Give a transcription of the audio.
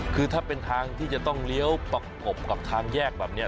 คือถ้าเป็นทางที่จะต้องเลี้ยวประกบกับทางแยกแบบนี้